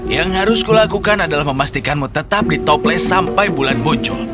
yang harus kulakukan adalah memastikanmu tetap di toples sampai bulan muncul